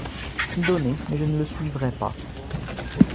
Donnez… mais je ne le suivrai pas.